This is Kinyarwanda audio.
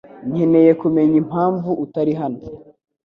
Nkeneye kumenya impamvu utari hano